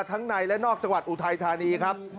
ในและนอกจังหวัดอุทัยธานีครับ